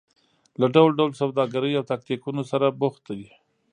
له ډول ډول سوداګریو او تاکتیکونو سره بوخت دي.